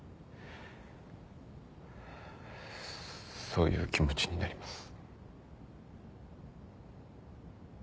そういう気持ちになります。